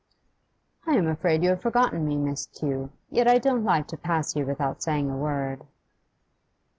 'I am afraid you have forgotten me, Miss Tew. Yet I don't like to pass you without saying a word.